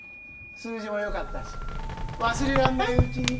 数字も良かったし忘れらんないうちに。